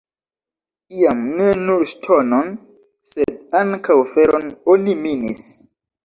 Iam ne nur ŝtonon, sed ankaŭ feron oni minis.